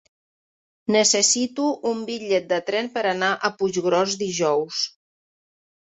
Necessito un bitllet de tren per anar a Puiggròs dijous.